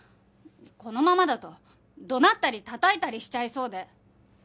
このままだと怒鳴ったりたたいたりしちゃいそうで。